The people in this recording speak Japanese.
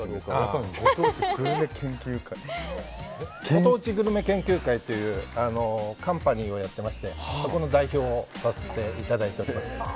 ご当地グルメ研究会というカンパニーをやっていましてそこの代表をさせていただいております。